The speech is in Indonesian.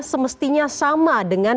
semestinya sama dengan